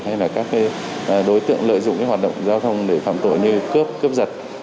hay là các đối tượng lợi dụng hoạt động giao thông để phạm tội như cướp cướp giật